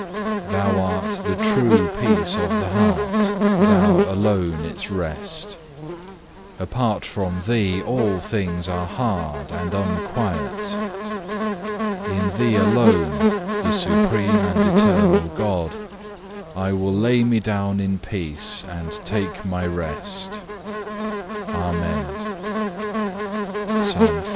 Thou art the true peace of the heart, Thou alone its rest; apart from Thee all things are hard and unquiet. In Thee alone, the supreme and eternal God, I will lay me down in peace and take my rest.(1) Amen. (1) Psalm iv.